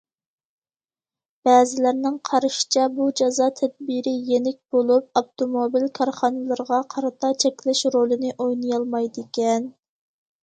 بەزىلەرنىڭ قارىشىچە، بۇ جازا تەدبىرى يېنىك بولۇپ، ئاپتوموبىل كارخانىلىرىغا قارىتا چەكلەش رولىنى ئوينىيالمايدىكەن.